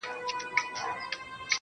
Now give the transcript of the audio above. دا ستاد كلـي كـاڼـى زمـا دوا ســـوه.